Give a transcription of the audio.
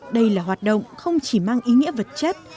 đây là hoạt động không chỉ mang ý nghĩa vật chất